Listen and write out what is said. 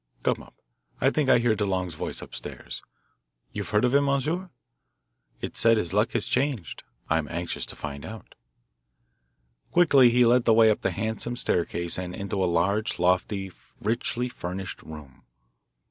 Come up, I think I hear DeLong's voice up stairs. You've heard of him, monsieur? It's said his luck has changed I'm anxious to find out." Quickly he led the way up the handsome staircase and into a large, lofty, richly furnished room.